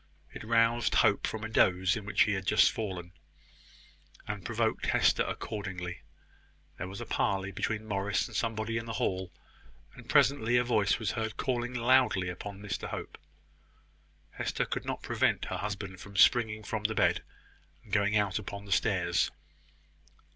It roused Hope from a doze into which he had just fallen, and provoked Hester accordingly. There was a parley between Morris and somebody in the hall; and presently a voice was heard calling loudly upon Mr Hope. Hester could not prevent her husband from springing from the bed, and going out upon the stairs.